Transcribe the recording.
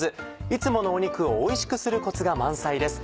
いつもの肉をおいしくするコツが満載です。